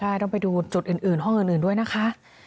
ใช่ต้องไปดูจุดอื่นห้องอื่นด้วยนะคะ